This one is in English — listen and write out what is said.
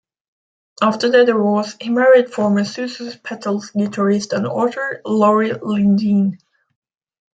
After their divorce, he married former Zuzu's Petals guitarist and author Laurie Lindeen.